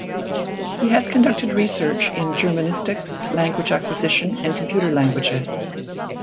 He has conducted research in germanistics, language acquisition, and computer languages.